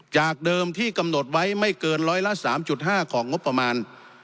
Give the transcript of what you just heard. จากเดิมที่กำหนดไว้ไม่เกินร้อยละ๓๕ของงบประมาณ